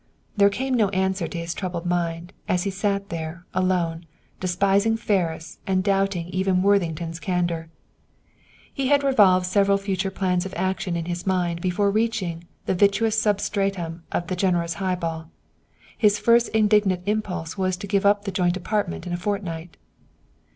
There came no answer to his troubled mind as he sat there, alone, despising Ferris and doubting even Worthington's candor. He had revolved several future plans of action in his mind before reaching the vitreous substratum of the generous high ball. His first indignant impulse was to give up the joint apartment in a fortnight.